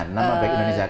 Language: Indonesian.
nama baik indonesia